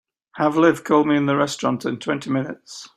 Have Liv call me in the restaurant in twenty minutes.